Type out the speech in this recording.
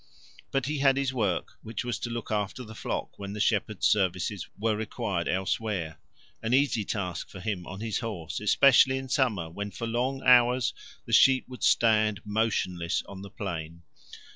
But he had his work, which was to look after the flock when the shepherd's services were required elsewhere; an easy task for him on his horse, especially in summer when for long hours the sheep would stand motionless on the plain.